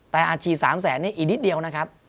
แต่อาจฉีด๓แสนนี่อีกนิดเดียวนะครับ